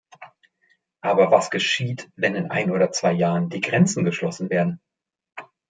Aber was geschieht, wenn in ein oder zwei Jahren die Grenzen geschlossen werden?